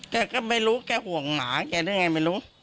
แกก็ไม่รู้แกห่วงหมาแกได้ไงไม่รู้